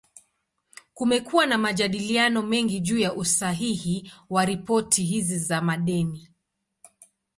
Kumekuwa na majadiliano mengi juu ya usahihi wa ripoti hizi za madeni.